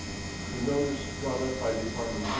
The notice drawn up by Department Z.